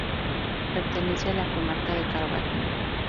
Pertenece a la Comarca de Carballino.